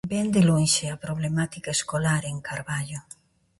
Vén de lonxe a problemática escolar en Carballo.